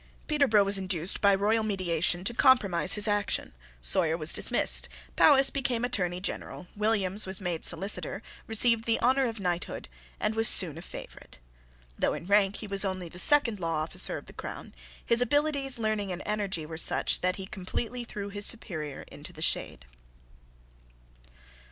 Peterborough was induced, by royal mediation, to compromise his action. Sawyer was dismissed. Powis became Attorney General. Williams was made Solicitor, received the honour of knighthood, and was soon a favourite. Though in rank he was only the second law officer of the crown, his abilities, learning, and energy were such that he completely threw his superior into the shade.